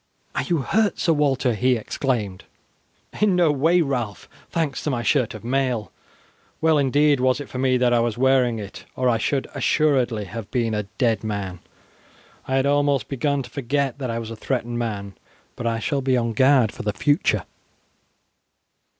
"Are you hurt, Sir Walter?" he exclaimed. "In no way, Ralph, thanks to my shirt of mail. Well, indeed, was it for me that I was wearing it, or I should assuredly have been a dead man. I had almost begun to forget that I was a threatened man; but I shall be on guard for the future."